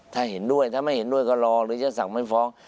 ถ้าเห็นด้วยถ้าไม่เห็นด้วยก็รอหรือจะสั่งไม่ฟ้อง